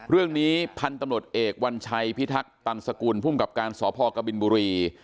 เรื่องนี้พันธุ์ตำรวจเอกวัญชัยพิทักษ์ตันสกุลภูมิกับการสพกบินบุรี